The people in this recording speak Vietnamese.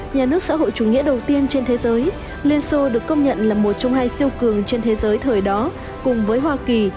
nga là nước đầu tiên trên thế giới liên xô được công nhận là một trong hai siêu cường trên thế giới thời đó cùng với hoa kỳ